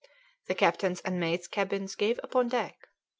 The captain's and mate's cabins gave upon deck.